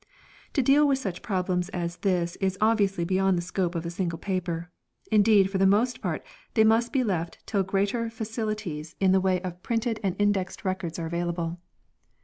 To deal with such problems as this is obviously beyond the scope of a single paper; indeed for the most part they must be left till greater facilities in OF THE REIGN OF KING JOHN 247 the way of printed and indexed Records are avail able.